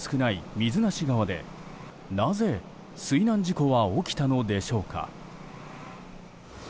水無川でなぜ水難事故は起きたのでしょうか？